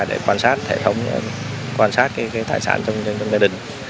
để quan sát thể thống quan sát cái tài sản trong gia đình